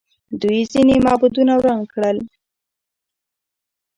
دوی ځینې معبدونه وران کړل